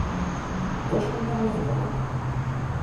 D acu-nniḍen i tebɣiḍ?